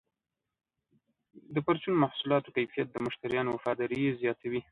د پرچون محصولاتو کیفیت د مشتریانو وفاداري زیاتوي.